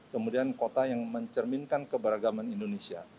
kemudian kota yang mencerminkan keberagaman indonesia